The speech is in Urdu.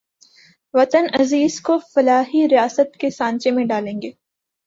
وطن عزیز کو فلاحی ریاست کے سانچے میں ڈھالیں گے